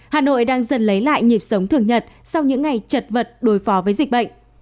hà nội đang dần lấy lại nhịp sống thường nhật sau những ngày chật vật đối phó với dịch bệnh